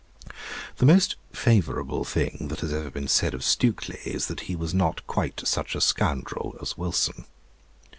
The most favourable thing that has ever been said of Stukely is that he was not quite such a scoundrel as Wilson.